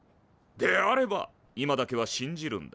であれば今だけは信じるんだ。